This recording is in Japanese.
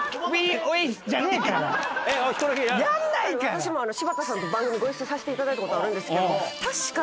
私も柴田さんと番組ご一緒させていただいたことあるんですけど確か。